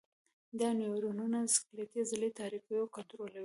دا نیورونونه سکلیټي عضلې تحریکوي او کنټرولوي.